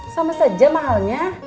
sama saja mahalnya